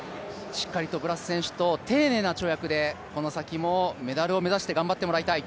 しっかりとブラス選手と丁寧な跳躍でこの先もメダルを目指して頑張ってもらいたい。